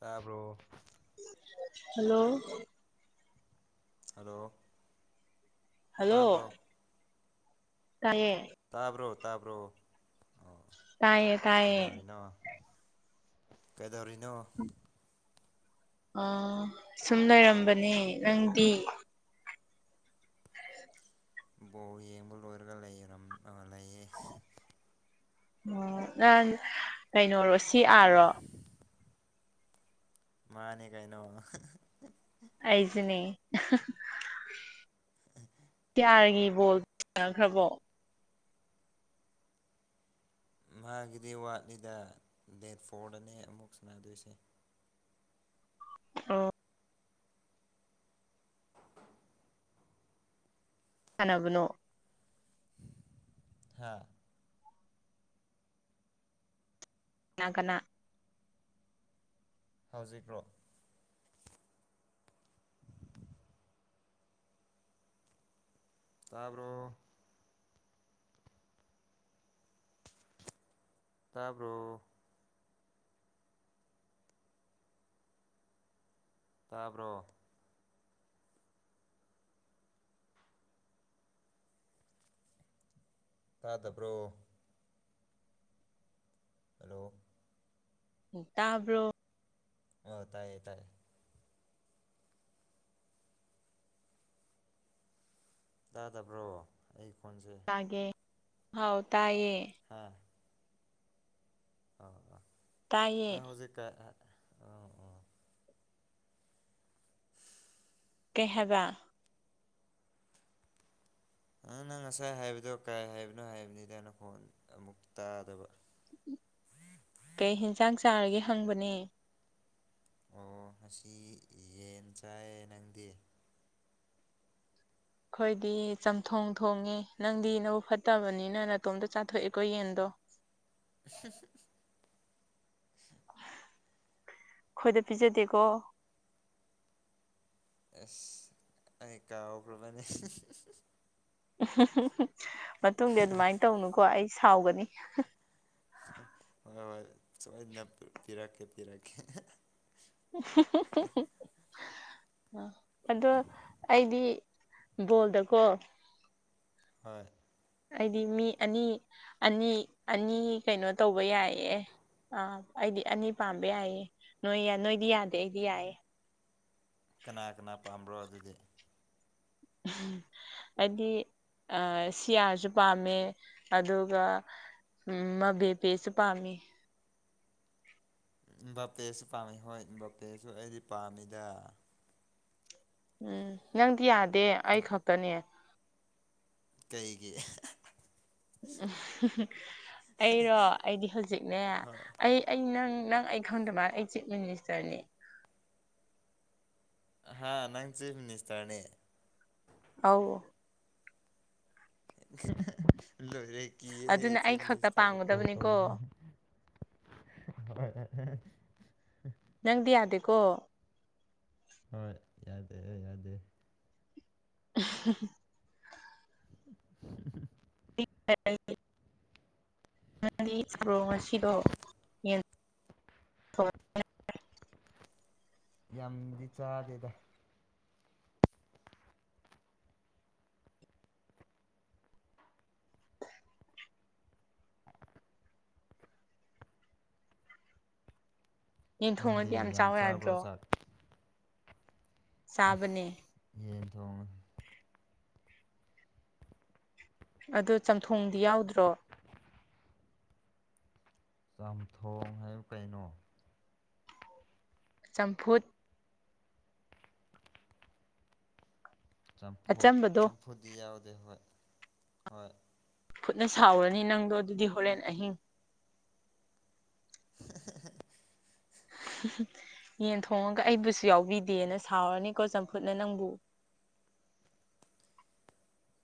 ꯇꯥꯕ꯭ꯔꯣ hello hello hello ꯇꯌꯦ ꯇꯥꯕ꯭ꯔꯣ ꯇꯥꯕ꯭ꯔꯣ ꯑꯣ ꯇꯥꯏꯌꯦ ꯇꯥꯏꯌꯦ ꯀꯩꯗꯧꯔꯤꯅꯣ ꯀꯩꯗꯧꯔꯤꯅꯣ ꯑ ꯁꯨꯝ ꯂꯩꯔꯝꯕꯅꯦ ꯅꯪꯗꯤ ꯕꯣꯔ ꯌꯦꯡꯕ ꯂꯣꯏꯔꯒ ꯂꯩꯌꯦ ꯎꯝ ꯅꯟ ꯀꯩꯅꯣꯔꯣ ꯁꯤ ꯑꯥꯔꯣ ꯃꯥꯅꯤ ꯀꯥꯏꯅꯣ ꯑꯩꯁꯨꯅꯦ ꯀꯤꯌꯥꯔꯒꯤ ꯕꯣꯜ ꯁꯅꯈ꯭ꯔꯕꯣ ꯃꯥꯒꯤꯗꯤ ꯋꯥꯠꯂꯤꯗ ꯗꯦꯠ ꯐꯣꯔꯗꯅꯦ ꯑꯃꯨꯛ ꯁꯅꯗꯣꯏꯁꯦ ꯑ [inaudible] ꯁꯅꯕꯅꯣ ꯍꯥꯥ ꯅꯥ ꯍꯧꯖꯤꯛꯈ꯭ꯔꯣ ꯇꯥꯕꯣ ꯇꯥꯕ꯭ꯔꯣ ꯇꯥꯕ꯭ꯔꯣ ꯇꯥꯗꯕ꯭ꯔꯣ ꯍꯂꯣ ꯇꯥꯕ꯭ꯔꯣ ꯑꯣ ꯇꯥꯏꯌꯦ ꯇꯥꯏꯌꯦ ꯇꯥ ꯇꯕ꯭ꯔꯣ ꯑꯩ ꯈꯣꯟꯁꯦ ꯦ ꯍꯥꯎ ꯇꯥꯏꯌꯦ ꯑ ꯑ ꯇꯥꯏꯌꯦ ꯑ ꯍꯧꯖꯤꯛꯀ ꯑꯥ ꯑ ꯀꯦꯍꯕꯥ ꯅꯪ ꯅꯪ ꯉꯁꯥꯏ ꯍꯥꯏꯕꯗꯣ ꯀꯥꯏ ꯍꯥꯏꯕꯅꯣ ꯍꯥꯏꯕꯅꯤꯗ ꯑꯩꯅ ꯐꯣꯟ ꯑꯃꯨꯛ ꯇꯥꯗꯕ ꯀꯩ ꯌꯦꯟꯁꯥꯡ ꯆꯥꯔꯒꯦ ꯍꯪꯕꯅꯦ ꯑꯣ ꯉꯁꯤ ꯌꯦꯟ ꯆꯥꯏ ꯅꯪꯗꯤ ꯑꯩꯈꯣꯏꯗꯤ ꯆꯝꯊꯣꯡ ꯊꯣꯡꯉꯦ ꯅꯪꯗꯤ ꯅꯕꯨ ꯐꯠꯇꯕꯅꯤꯅ ꯅꯥꯇꯣꯝꯇ ꯆꯥꯊꯣꯛꯑꯦꯀꯣ ꯌꯦꯟꯗꯣ [inaudible] [inaudible] ꯈꯣꯏꯗ ꯄꯤꯖꯗꯦꯀꯣ ꯑꯁ ꯑꯩ ꯀꯒ꯭ꯔꯕꯅꯦ ꯃꯇꯨꯡꯗꯤ ꯑꯗꯨꯃꯥꯏꯅ ꯇꯧꯅꯨꯀꯣ ꯑꯩ ꯁꯥꯎꯒꯅꯤ ꯍ ꯁꯃꯥꯏꯗꯅ ꯄꯤꯔꯛꯀꯦ ꯄꯤꯔꯛꯀꯦ ꯑꯗꯣ ꯑꯩꯗꯤ ꯣꯜꯗꯀꯣ ꯍꯣꯏ ꯍꯥꯏꯗꯤ ꯃꯤ ꯑꯅꯤ ꯑꯅꯤ ꯑꯅꯤ ꯀꯩꯅꯣ ꯇꯧꯕ ꯌꯥꯏꯌꯦ ꯑꯥ ꯑꯩꯗꯤ ꯑꯅꯤ ꯄꯥꯝꯕ ꯌꯥꯏꯌꯦ ꯅꯣꯏ ꯅꯣꯏꯗꯤ ꯌꯥꯗꯦ ꯑꯩꯗꯤ ꯌꯥꯏꯌꯦꯦ ꯀꯅꯥ ꯀꯅꯥ ꯄꯥꯝꯕ꯭ꯔꯣ ꯑꯗꯨꯗꯤ ꯎꯝ ꯍꯥꯏꯗꯤ ꯁꯤꯌꯥꯔꯁꯨ ꯄꯥꯝꯃꯦ ꯑꯗꯨꯒ ꯎꯝ ꯃꯕꯦ ꯄꯦꯁꯨ ꯄꯥꯝꯃꯤ ꯕꯥꯄꯦꯁꯨ ꯄꯥꯝꯃꯤ ꯍꯣꯏ ꯕꯥꯄꯦꯁꯨ ꯑꯩꯗꯤ ꯄꯥꯝꯃꯤꯗ ꯎꯝ ꯅꯪꯗꯤ ꯌꯥꯗꯦ ꯑꯩ ꯈꯛꯇꯅꯦ ꯀꯩꯒꯤ ꯎꯝ ꯑꯩꯔꯣ ꯑꯩꯗꯤ ꯍꯧꯖꯤꯛꯅꯦ ꯍꯣꯏ ꯑꯩ ꯑꯩ ꯅꯪ ꯅꯪ ꯑꯩ ꯈꯪꯗ ꯃꯥ ꯑꯩ ꯆꯤꯞ ꯃꯤꯅꯤꯁꯇꯔꯅꯤ ꯍꯥ ꯅꯪ ꯆꯤꯐ ꯃꯤꯅꯤꯁꯇꯔꯅꯦ ꯑꯥꯎ ꯂꯣꯏꯔꯦ ꯀ ꯑꯗꯨꯅ ꯍ ꯑꯩ ꯈꯛꯇ ꯃꯤꯁꯇꯕꯨ ꯀꯣ ꯇ ꯄꯥꯝꯒꯗꯕꯅꯤꯀꯣ ꯍ ꯅꯪꯗꯤ ꯌꯥꯗꯦꯀꯣ ꯑ ꯌꯥꯗꯦ ꯌꯥꯗꯦ [inaudible] [inaudible] ꯅꯪꯗꯤ ꯁ꯭ꯔꯣ ꯉꯁꯤꯗꯣ ꯌꯦ ꯍꯣꯏ ꯌꯥꯝꯗꯤ ꯆꯥꯗꯦꯗ ꯌꯦ ꯊꯣꯡꯉꯗꯤ ꯌꯥꯝ ꯅꯪꯗꯤ ꯆꯥꯎꯋꯦ ꯆꯥꯕ꯭ꯔꯣ ꯌꯥꯗ꯭ꯔꯣ ꯆꯥꯛ ꯁꯥꯕꯅꯦ ꯊꯣꯡꯉ ꯑꯗꯨ ꯆꯝꯊꯣꯡꯗꯤ ꯌꯥꯎꯗ꯭ꯔꯣ ꯆꯥꯝꯊꯣꯡ ꯍꯥꯏꯕꯨ ꯀꯩꯅꯣ ꯆꯝꯐꯨꯠ ꯆꯝꯐꯨ ꯑꯆꯝꯕꯗꯣ ꯆꯝꯐꯨꯗꯤ ꯌꯥꯎꯗꯦ ꯍꯣꯏ ꯍꯣꯏ ꯈꯨꯠꯅ ꯁꯥꯎꯔꯅꯤ ꯅꯪꯗꯣ ꯑꯗꯨꯗꯤ ꯍꯣꯔꯦꯟ ꯑꯍꯤꯡ [unintelligible] [unintelligible] ꯌꯦꯟ ꯊꯣꯡꯉꯒ ꯑꯩꯕꯨꯁꯨ ꯌꯥꯎꯕꯤꯗꯦꯅ ꯁꯥꯎꯔꯅꯤꯀꯣ ꯆꯝꯐꯨꯠꯅ ꯅꯪꯕꯨ [inaudible]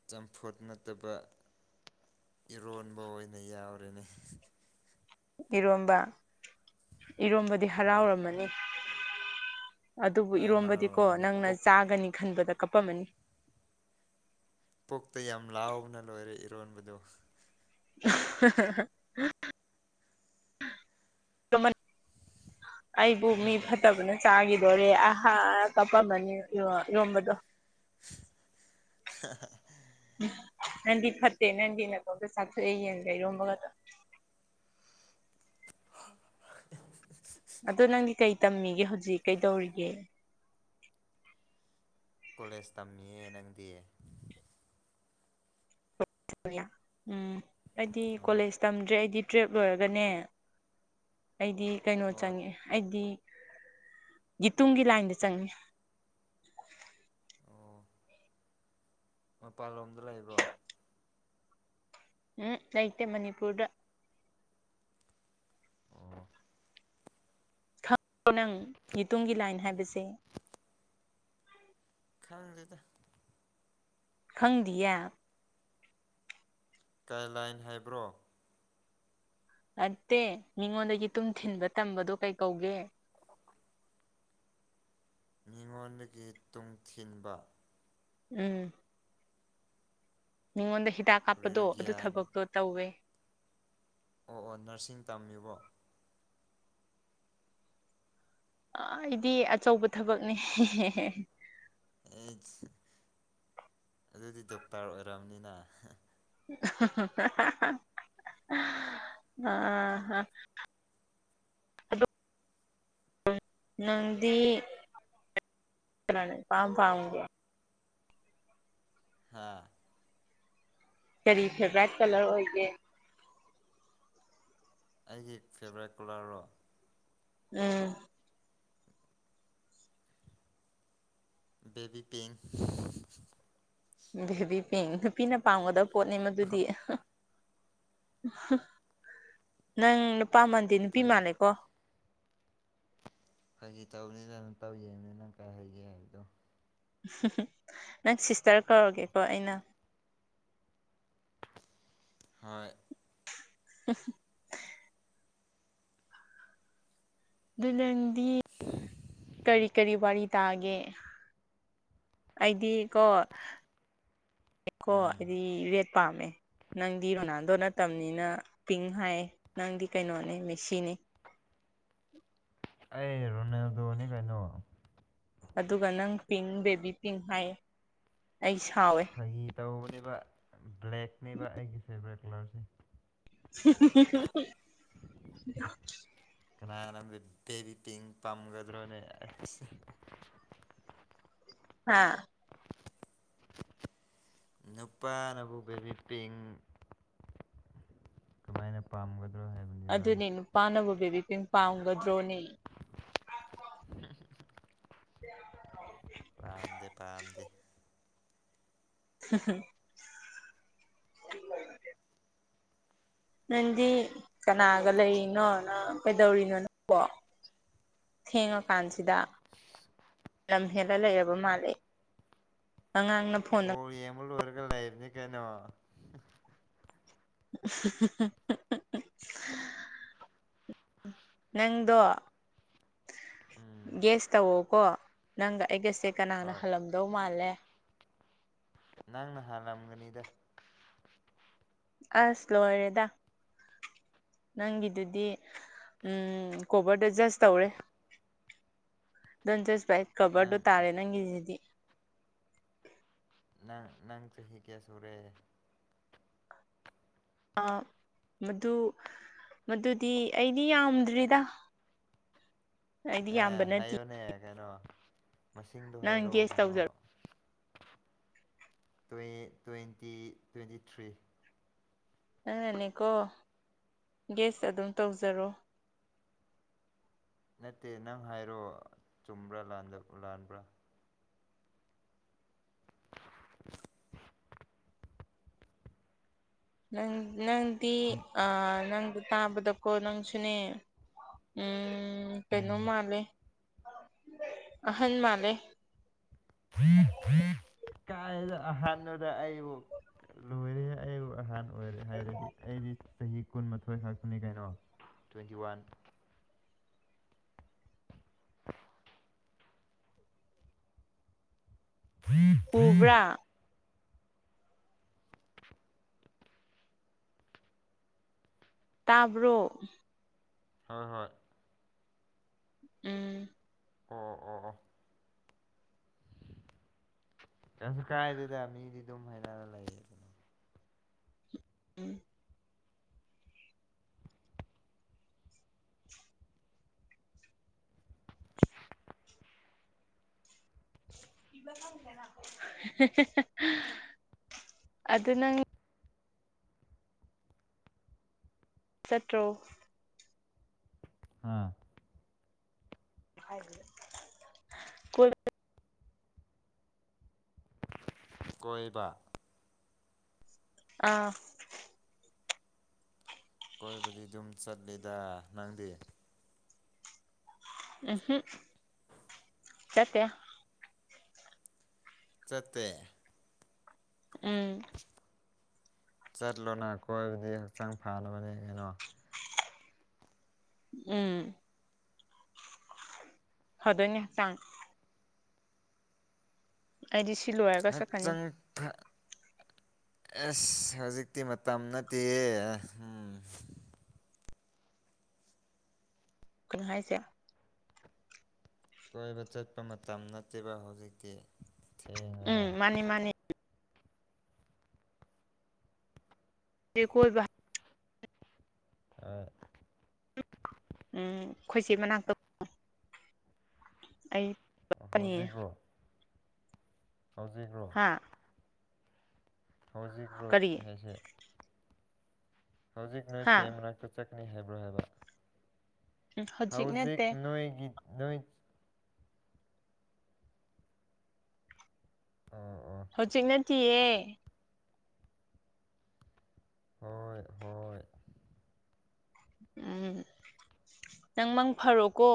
ꯆꯝꯐꯨꯠ ꯅꯠꯇꯕ ꯏꯔꯣꯟꯕ ꯑꯣꯏꯅ ꯌꯥꯎꯔꯤꯅꯤ ꯏꯔꯣꯝꯕ ꯏꯔꯣꯝꯕꯗꯤ ꯍꯣꯏ ꯍꯔꯥꯎꯔꯝꯃꯅꯤ ꯑꯗꯨꯕꯨ ꯍꯣꯏ ꯏꯔꯣꯝꯕꯗꯤ ꯀꯣ ꯍꯔꯥꯎꯔꯝꯃꯅꯤ ꯅꯪꯅ ꯄꯨꯛ ꯆꯥꯒꯅꯤ ꯈꯟꯕꯗ ꯀꯞꯄꯝꯃꯅꯤ ꯄꯣꯛꯛꯇ ꯌꯥꯝ ꯂꯥꯎꯕꯅ ꯂꯣꯏꯔꯦ ꯏꯔꯣꯟꯕꯗꯨ [unintelligible] ꯇꯨꯃꯟ ꯑꯩꯕꯨ ꯃꯤ ꯐꯠꯇꯕꯅ ꯆꯥꯈꯤꯗꯣꯔꯦ ꯑꯍꯥ ꯀꯞꯄꯝꯝꯕꯅꯤ ꯌꯔꯣꯟꯝꯕꯗꯣ [unintelligible] ꯅꯗꯤ ꯐꯠꯇꯦ ꯅꯗꯤ ꯅꯠꯇ ꯄꯁꯊ ꯌꯦ ꯂꯩꯔꯣꯝꯕꯒ ꯑꯗꯣ ꯅꯪꯗꯤ ꯀꯩ ꯇꯝꯃꯤꯒꯦ ꯍꯧꯖꯤꯛ ꯀꯩꯗꯧꯔꯤꯒꯦ ꯀꯣꯂꯦꯖ ꯇꯝꯃꯤꯌꯦ ꯅꯪꯗꯤ ꯎꯝ ꯑꯩꯗꯤ ꯍꯣꯏ ꯀꯣꯂꯦꯖ ꯇꯝꯗ꯭ꯔꯦ ꯑꯩꯗꯤ ꯇ꯭ꯔꯦꯞ ꯂꯣꯏꯔꯒꯅꯦ ꯑꯩꯗꯤ ꯀꯩꯅꯣ ꯍꯣꯏ ꯆꯪꯉꯦ ꯑꯩꯗꯤ ꯒꯤꯇꯨꯡꯒꯤ ꯂꯥꯏꯟꯗ ꯆꯪꯉꯤ ꯑꯣ ꯃꯄꯥꯟꯂꯣꯝꯗ ꯂꯩꯕ꯭ꯔꯣ ꯎꯝ ꯂꯩꯇꯦ ꯃꯅꯤꯄꯨꯔꯗ ꯑꯣ ꯅꯪ ꯌꯇꯒꯤ ꯂꯥꯏꯟ ꯍꯥꯏꯕꯁꯦ ꯈꯪꯗꯗ ꯈꯪꯗꯤꯌꯦ ꯒꯥꯏꯂꯥꯏꯟ ꯍꯥꯏꯕ꯭ꯔꯣ ꯅꯠꯇꯦ ꯃꯤꯉꯣꯟꯗꯒꯤ ꯇꯨꯝ ꯊꯤꯟꯕ ꯇꯝꯕꯗꯣ ꯀꯩ ꯀꯧꯒꯦ [inaudible] ꯃꯤꯉꯣꯟꯗꯒꯤ ꯇꯨꯡꯊꯤꯟꯕ ꯎꯝ ꯃꯤꯉꯣꯟꯗ ꯍꯤꯗꯥꯛ ꯀꯥꯞꯄꯗꯣ ꯀꯔꯤꯔ ꯑꯗꯨ ꯒ꯭ꯌꯥꯟ ꯊꯕꯛꯇꯣ ꯇꯧꯋꯦ ꯑꯣ ꯑꯣ ꯅꯔꯁꯤꯡ ꯇꯝꯃꯤꯕꯣ ꯑꯩꯗꯤ ꯑꯆꯧꯕ ꯊꯕꯛꯅꯦ ꯑꯩꯁ ꯑꯗꯨꯗꯤ ꯗꯣꯛꯇꯔ ꯑꯣꯏꯔꯕꯅꯤꯅ [unintelligible] ꯑ ꯅꯪꯗꯤ ꯄꯥꯝ ꯄꯥꯥꯎꯒꯦ ꯍꯥꯥ ꯀꯔꯤ ꯐꯦꯚꯔꯥꯏꯠ ꯀꯂꯔ ꯑꯣꯏꯒꯦ ꯑꯩꯁꯦ ꯐꯦꯚꯣꯔꯥꯏꯠ ꯀꯣꯂꯔꯔꯣ ꯎꯝ ꯕꯕꯤ ꯄꯤꯡ ꯕꯦꯕꯤ ꯄꯦꯡ ꯅꯨꯄꯤꯅ ꯄꯥꯝꯒꯗꯕ ꯄꯣꯠꯅꯤ ꯃꯗꯨꯗꯤ ꯅꯪ ꯅꯨꯄꯥꯃꯜꯗꯤ ꯅꯨꯄꯤ ꯐꯥꯒꯤ ꯃꯥꯜꯂꯦꯀꯣ ꯑꯩꯖꯤ ꯇꯧꯕꯅꯤꯅ ꯑꯗꯨ ꯇꯧꯖꯕꯅꯤ ꯅꯪ ꯀꯥꯏ ꯍꯒꯦ ꯍꯥꯏꯕꯗꯣ ꯅꯪ ꯁꯤꯁꯇꯔ ꯀꯧꯔꯒꯦꯀꯣ ꯑꯩꯅ ꯍꯣꯏ ꯎ ꯂꯪꯗꯤ ꯀꯔꯤ ꯀꯔꯤ ꯋꯥꯔꯤ ꯇꯥꯒꯦ ꯑꯩꯗꯤ ꯀꯣ ꯀꯣ ꯎꯝ ꯑꯩꯗꯤ ꯔꯦꯠ ꯄꯥꯝꯃꯦ ꯅꯪꯗꯤ ꯔꯣꯅꯥꯜꯗꯣ ꯅꯠꯇꯕꯅꯤꯅ ꯄꯤꯡ ꯍꯥꯏꯌꯦ ꯅꯪꯗꯤ ꯀꯩꯅꯣꯅꯦ ꯃꯦꯁꯤꯅꯦ ꯑꯩ ꯔꯣꯅꯦꯜꯗꯣꯅꯤ ꯀꯩꯅꯣ ꯑꯗꯨꯒ ꯅꯪ ꯄꯤꯡ ꯕꯦꯕꯤ ꯄꯤꯡ ꯍꯥꯏꯌꯦ ꯑꯩ ꯁꯥꯎꯋꯦ ꯐꯥꯒꯤ ꯇꯧꯕꯅꯦꯕ ꯕ꯭ꯂꯦꯛꯅꯦꯕ ꯑꯩꯒꯤ ꯐꯦꯚꯣꯔꯦꯠ ꯀꯂꯔꯁꯦ ꯀꯅꯥꯅꯣꯗꯤ ꯕꯦꯕꯤ ꯄꯤꯡ ꯄꯥꯝꯒꯗ꯭ꯔꯣꯅꯦ ꯍꯥꯥ ꯅꯨꯄꯥꯅꯕꯨ ꯕꯦꯕꯤ ꯄꯤꯡ ꯀꯃꯥꯏꯅ ꯄꯥꯝꯒꯗ꯭ꯔꯣ ꯍꯥꯏ ꯑꯗꯨꯅꯦ ꯅꯨꯄꯥꯅꯕꯨ ꯕꯦꯕꯤ ꯄꯤꯡ ꯄꯥꯝꯒꯗ꯭ꯔꯣꯅꯦ ꯎ [unintelligible] ꯄꯥꯝꯗꯦ ꯄꯥꯝꯗꯦ ꯍꯝ ꯍꯝ ꯍꯦ ꯅꯪꯗꯤ ꯀꯅꯥꯒ ꯂꯩꯔꯤꯅꯣ ꯅꯪ ꯀꯩꯗꯧꯔꯤꯅꯣ ꯅꯪꯀꯣ ꯊꯦꯡꯉꯀꯥꯟꯁꯤꯗ ꯂꯝ ꯍꯦꯜꯂ ꯂꯩꯔꯕ ꯃꯥꯜꯂꯦ ꯑꯉꯥꯡꯅ ꯐꯣꯟꯗ ꯕꯣꯔ ꯌꯦꯡꯕ ꯂꯣꯏꯔꯒ ꯂꯩꯕꯅꯤ ꯀꯩꯅꯣ [unintelligible] ꯅꯪꯗꯣ ꯎꯝ ꯒꯦꯁ ꯇꯧꯋꯣꯀꯣ ꯅꯪꯒ ꯑꯩꯒꯁꯦ ꯀꯅꯥꯅ ꯍꯣꯏ ꯍꯜꯂꯝꯗꯧ ꯃꯥꯜꯂꯦ ꯅꯪꯅ ꯍꯥꯥꯟꯂꯝꯂꯝꯒꯅꯤꯗ ꯑꯁ ꯂꯣ ꯑꯣꯏꯔꯦꯗ ꯅꯪꯒꯤꯗꯨꯗꯤ ꯎꯝ ꯀꯣꯕꯔꯗ ꯖꯁ ꯇꯧꯔꯦ ꯟꯁꯁ ꯄꯥꯏ ꯀꯕꯔꯗ ꯅꯪ ꯇꯥꯔꯦ ꯅꯪꯤꯁꯤꯤ ꯅꯪ ꯅꯪ ꯆꯍꯤ ꯀꯌꯥ ꯁꯨꯔꯦ ꯑꯥ ꯃꯗꯨ ꯃꯗꯨꯗꯤ ꯑꯩꯗꯤ ꯌꯥꯝꯗ꯭ꯔꯤꯗ ꯑꯩꯗꯤ ꯌꯥꯝꯕ ꯑꯦ ꯅꯠꯇꯦ ꯍꯥꯏꯌꯣꯅꯦ ꯀꯩꯅꯣ ꯃꯁꯤꯡꯗꯣ ꯅꯪ ꯍꯥꯏꯔꯣ ꯒꯦꯁ ꯀꯩꯅꯣ ꯇꯧꯖꯔꯣ ꯇ꯭ꯋꯦꯟꯇꯤ ꯇ꯭ꯋꯦꯟꯇꯤ ꯊ꯭ꯔꯤ ꯑꯗꯨꯪꯅꯅꯦꯀꯣ ꯒꯦꯁ ꯑꯗꯨꯝ ꯇꯧꯖꯔꯣ [unintelligible] ꯅꯠꯇꯦ ꯅꯪ ꯍꯥꯏꯔꯣ ꯆꯨꯝꯕ꯭ꯔꯥ ꯂꯥꯟꯕ꯭ꯔꯥ ꯅꯪ ꯅꯪꯗꯤ ꯑ ꯅꯪ ꯑꯗꯨ ꯇꯥꯕꯗꯀꯣ ꯅꯪꯁꯨꯅꯦ ꯎꯝ ꯀꯩꯅꯣ ꯎꯝ ꯃꯥꯜꯂꯦ ꯑꯍꯟ ꯃꯥꯂꯦ ꯀꯥꯏꯗ ꯑꯍꯥꯟꯕꯗ ꯑꯩꯕꯨ ꯂꯣꯏꯔꯦ ꯑꯩꯕꯨ ꯑꯍꯥꯟꯕ ꯑꯣꯏꯔꯦ ꯍꯥꯏꯔꯗꯤ ꯑꯩꯗꯤ ꯆꯍꯤ ꯀꯨꯟꯃꯥꯊꯣꯏ ꯈꯛꯇꯅꯤ ꯀꯩꯅꯣ ꯇ꯭ꯋꯦꯟꯇꯤ ꯋꯥꯟ [unintelligible] ꯎꯕ꯭ꯔꯥ ꯇꯥꯕ꯭ꯔꯣ ꯍꯣꯏ ꯍꯣꯏ ꯎꯝ ꯎ ꯎ ꯑ ꯆꯁꯨ ꯀꯥꯏꯗꯦꯗ ꯃꯤꯗꯤ ꯑꯗꯨꯝ ꯍꯥꯏꯩꯔꯒ ꯂꯩꯔꯦ ꯀꯅꯣ ꯎꯝ ꯑꯗꯨꯗ ꯅꯪ ꯁꯠꯇ꯭ꯔꯣ ꯍꯥꯥ ꯀꯨꯜ ꯀꯣꯏꯕ ꯑꯥ ꯀꯣꯏꯕꯗꯤ ꯑꯗꯨꯝ ꯆꯠꯂꯤꯗ ꯅꯪꯗꯤ ꯎꯝ ꯍꯝ ꯆꯇ ꯆꯠꯇꯦ ꯎꯝ ꯆꯠꯂꯣꯅ ꯀꯣꯏꯕꯗꯤ ꯍꯛꯆꯥꯡ ꯐꯅꯕꯅꯤ ꯀꯩꯅꯣ ꯎꯝ ꯍꯗꯣꯅꯦꯁꯥꯡ ꯑꯩꯗꯤ ꯁꯤꯂꯣꯒꯥꯁ ꯈꯅꯤ [unintelligible] ꯑꯦꯁ ꯍꯧꯖꯤꯛꯇꯤ ꯃꯇꯝ ꯅꯠꯇꯦ ꯎ ꯀꯩꯅ ꯍꯥꯏꯁꯦ ꯀꯣꯏꯕ ꯆꯠꯄ ꯃꯇꯝ ꯅꯠꯇꯦꯕ ꯍꯧꯖꯤꯛꯇꯤ ꯊꯦꯡꯉꯦꯕ ꯎꯝ ꯃꯥꯅꯤ ꯃꯥꯅꯤ ꯌꯦ ꯀꯣꯏ ꯑ ꯎꯝ ꯑꯩꯈꯣꯏꯁꯤ ꯃꯅꯥꯛꯇ ꯑꯩ ꯆꯠꯀꯅꯤ ꯍꯧꯖꯤꯕ ꯍꯧꯖꯤꯛꯕ꯭ꯔꯣ ꯍꯥ ꯍꯧꯖꯤꯛ ꯔꯣ ꯀꯔꯤ ꯍꯥꯏꯁꯦ ꯍꯧꯖꯤꯛ ꯅꯣꯏ ꯍꯥ ꯆꯦ ꯃꯅꯥꯛꯇ ꯆꯠꯀꯅꯤ ꯍꯥꯏꯕ꯭ꯔꯣ ꯍꯥꯏꯕ ꯍꯧꯖꯤꯛ ꯍꯧꯥꯎꯖꯤ ꯅꯠꯇꯦ ꯅꯣꯏ ꯅꯣꯏ ꯑ ꯍꯧꯖꯤꯛꯅꯠꯇꯤꯌꯦ ꯍꯣꯏ ꯍꯣꯏ ꯎꯝ ꯅꯪ ꯃꯪ ꯐꯔꯣꯀꯣ